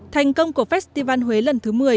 thành công của festival huế lần thứ một mươi